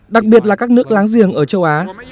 đặc biệt là các nước láng giềng ở châu á